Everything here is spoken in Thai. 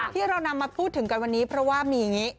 ที่เรานำมาพูดถึงกันวันนี้เพราะว่ามีอย่างนี้